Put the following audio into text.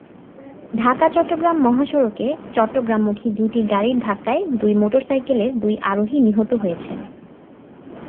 ঢাকা-চট্টগ্রাম মহাসড়কে চট্টগ্রামমুখী দুটি গাড়ির ধাক্কায় দুই মোটরসাইকেলের দুই আরোহী নিহত হয়েছেন।